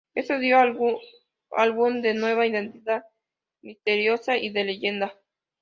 Esto dio al álbum una nueva identidad misteriosa y de leyenda.